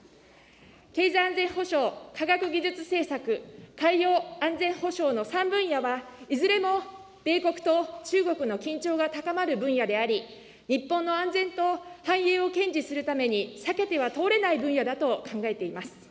経済安全保障科学技術政策、海洋安全保障の３分野は、いずれも、米国と中国の緊張が高まる分野であり、日本の安全と繁栄を堅持するために、避けては通れない分野だと考えています。